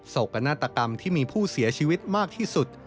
กนาฏกรรมที่มีผู้เสียชีวิตมากที่สุด